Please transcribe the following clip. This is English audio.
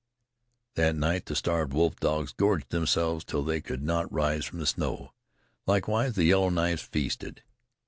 That night the starved wolf dogs gorged themselves till they could not rise from the snow. Likewise the Yellow Knives feasted.